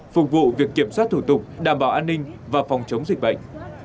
phục vụ việc kiểm soát thủ tục đảm bảo an ninh và phòng chống dịch bệnh